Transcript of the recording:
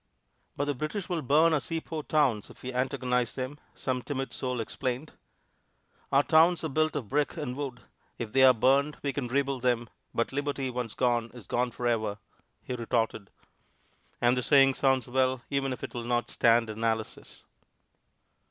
"But the British will burn our seaport towns if we antagonize them," some timid soul explained. "Our towns are built of brick and wood; if they are burned we can rebuild them; but liberty once gone is gone forever," he retorted. And the saying sounds well, even if it will not stand analysis.